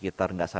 kita lihat di sini